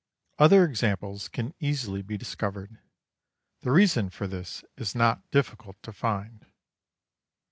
Other examples can easily be discovered. The reason for this is not difficult to find.